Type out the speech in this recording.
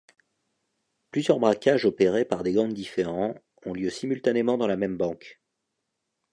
Plusieurs braquages opérés par des gangs différents ont lieu simultanément dans la même banque.